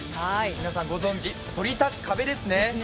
皆さんご存じそり立つ壁ですね。